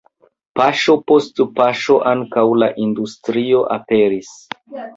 Paŝo post paŝo ankaŭ la industrio aperis.